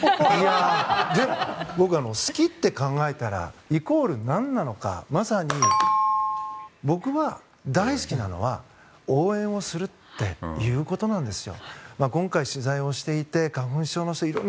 でも、僕は好きって考えたらイコール何なのかまさに僕は大好きなのは応援をするっていうことなんですよ。